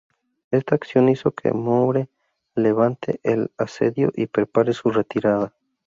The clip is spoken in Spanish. Esta acción hizo que Moore levante el asedio y prepare su retirada.